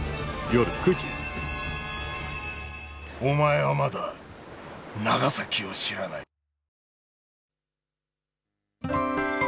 お前はまだ長崎を知らない。